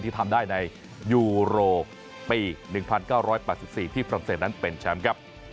ที่ทำได้ในยูโรปี๑๙๘๔ที่ฝรั่งเศสนั้นเป็นแชมป์ครับ